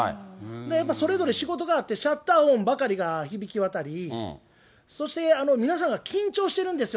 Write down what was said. やっぱりそれぞれ仕事があって、シャッター音ばかりが響き渡り、そして、皆さんが緊張してるんですよ。